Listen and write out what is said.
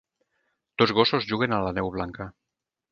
Dos gossos juguen a la neu blanca.